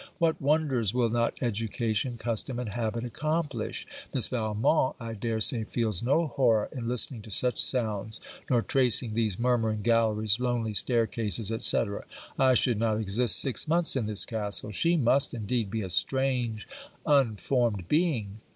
What wonders will not education, custom, and habit accomplish! Miss Valmont, I dare say, feels no horror in listening to such sounds, nor tracing these murmuring galleries, lonely staircases, &c. I should not exist six months in this castle. She must, indeed, be a strange unformed being!